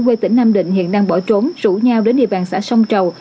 quê tỉnh nam định hiện đang bỏ trốn rủ nhau đến địa bàn xã sông trầu